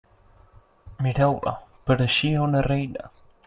Mireu-la; pareixia una reina.